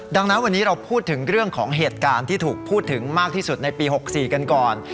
ดังนั้นวันนี้เราพูดถึงเรื่องของเหตุการณ์ที่ถูกพูดถึงมากที่สุดในปี๖๔กันก่อน